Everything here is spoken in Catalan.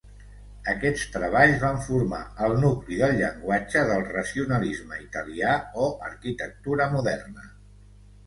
Aquests treballs van formar el nucli del llenguatge del racionalisme italià o arquitectura moderna.